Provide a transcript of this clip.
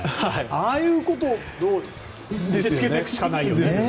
ああいうことを見せつけていくしかないよね。